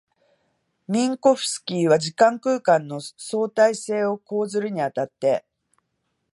ミンコフスキーは時間空間の相対性を講ずるに当たって、